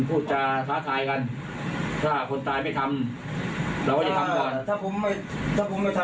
พูดจาท้าทายกันถ้าคนตายไม่ทำเราก็จะทำก่อนถ้าผมไม่ถ้าผมไม่ทำ